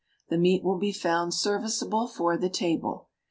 The meat will be found serviceable for the table.